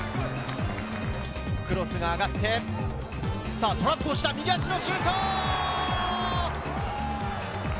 クロスが上がって、トラップをした、右足のシュート！